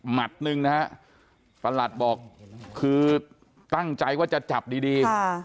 หนึ่งนะฮะประหลัดบอกคือตั้งใจว่าจะจับดี